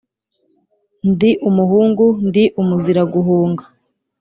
ndi umuhungu ndi umuziraguhunga,